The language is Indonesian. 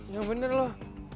ya bener loh